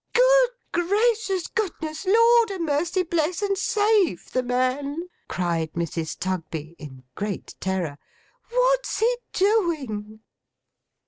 'Good gracious, goodness, lord a mercy bless and save the man!' cried Mrs. Tugby, in great terror. 'What's he doing?